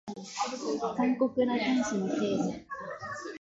残酷な天使のテーゼ